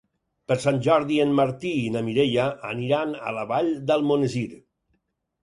Per Sant Jordi en Martí i na Mireia aniran a la Vall d'Almonesir.